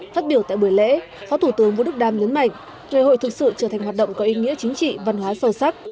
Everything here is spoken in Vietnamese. phát biểu tại buổi lễ phó thủ tướng vũ đức đam nhấn mạnh ngày hội thực sự trở thành hoạt động có ý nghĩa chính trị văn hóa sâu sắc